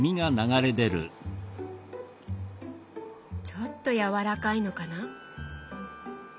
ちょっとやわらかいのかな？